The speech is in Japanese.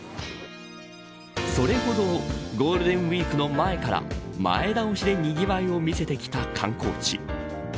それほどゴールデンウイークの前から前倒しでにぎわいを見せてきた観光地。